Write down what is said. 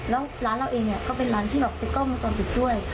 แล้วร้านเราเองเนี่ยก็เป็นร้านที่แบบเป็นกล้องวงจรปิดด้วย